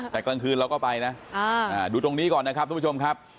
แต่กลางคืนเราก็ไปนะดูตรงนี้ก่อนนะครับทุกผู้ชมครับ